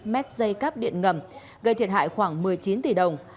chín hai trăm sáu mươi năm m ba cáp điện ngầm gây thiệt hại khoảng một mươi chín tỷ đồng